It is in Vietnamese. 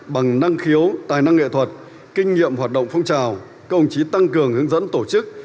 bằng năng khiếu tài năng nghệ thuật kinh nghiệm hoạt động phong trào công chí tăng cường hướng dẫn tổ chức